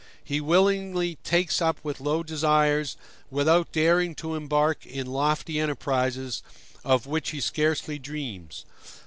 He willingly takes up with low desires, without daring to embark in lofty enterprises, of which he scarcely dreams.